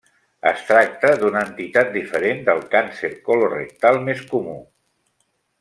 Es tracta d'una entitat diferent del càncer colorectal, més comú.